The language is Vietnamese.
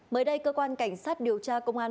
mới đây cơ quan cảnh sát điều tra công an